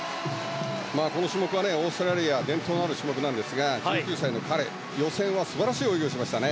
この種目はオーストラリア伝統のある種目なんですが１９歳の彼、予選は素晴らしい泳ぎをしましたね。